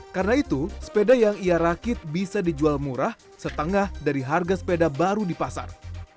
karena itu sepeda yang ia rakit bisa dijual murah setengah dari harga sepeda baru di pasar